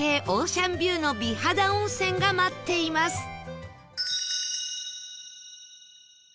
オーシャンビューの美肌温泉が待っています